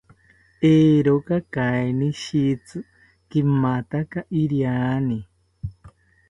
Eeroka kainishitzi kimataka iriani